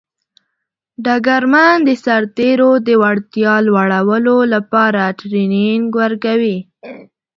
ډګرمن د سرتیرو د وړتیا لوړولو لپاره ټرینینګ ورکوي.